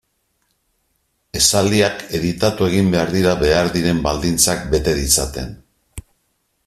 Esaldiak editatu egin behar dira behar diren baldintzak bete ditzaten.